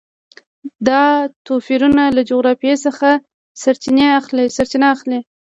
دا توپیرونه له جغرافیې څخه سرچینه اخلي.